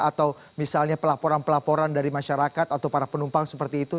atau misalnya pelaporan pelaporan dari masyarakat atau para penumpang seperti itu